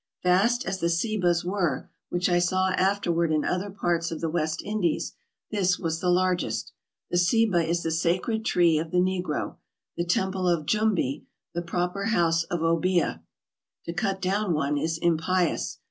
Vast as the ceibas were which I saw afterward in other parts of the West Indies, this was the largest. The ceiba is the sacred tree of the negro, the temple of Jumbi, the proper house of Obeah. To cut down one is impious.